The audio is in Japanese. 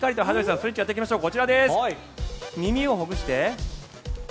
ストレッチをやっていきましょう。